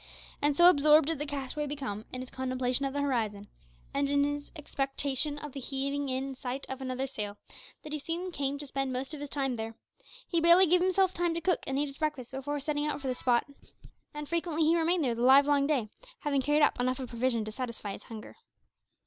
And so absorbed did the castaway become, in his contemplation of the horizon, and in his expectation of the heaving in sight of another sail, that he soon came to spend most of his time there. He barely gave himself time to cook and eat his breakfast before setting out for the spot, and frequently he remained there the livelong day, having carried up enough of provision to satisfy his hunger.